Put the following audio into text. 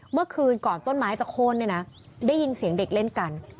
เมื่อคืนก่อนต้นไม้จากโคลนได้ยินเสียงเด็กเล่นกัน